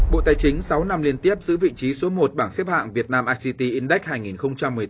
bộ tài chính sáu năm liên tiếp giữ vị trí số một bảng xếp hạng việt nam ict index hai nghìn một mươi tám